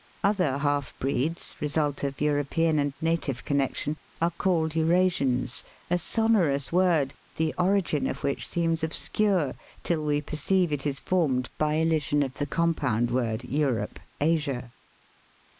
Other half breeds, result of European and native connection, are called Eurasians, a sonorous word, the origin of which seems obscure till we perceive it is formed by elision of the compound word Europe Asia.